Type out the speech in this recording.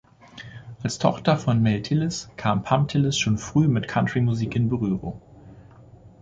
Als Tochter von Mel Tillis kam Pam Tillis schon früh mit Country-Musik in Berührung.